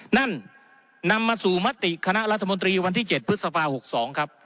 นำมาสู่มติคณะรัฐมนตรีวันที่๗พฤษภา๖๒ครับ